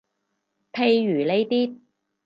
譬如呢啲